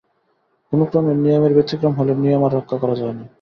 কোনোক্রমে নিয়মের ব্যতিক্রম হলে নিয়ম আর রক্ষা করা যায় না।